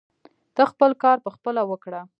ته خپل کار پخپله وکړه.